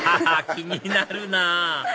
気になるなぁ